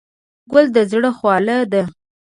ګل د زړه خواله ده.